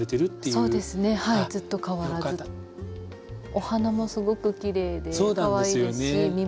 お花もすごくきれいでかわいいですし実もなるし。